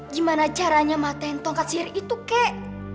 gimana caranya makan tongkat sihir itu kek